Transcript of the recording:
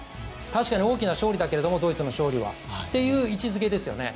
確かに大きな勝利だけどドイツの勝利はという位置付けですよね。